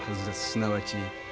すなわち」